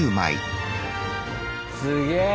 すげえ。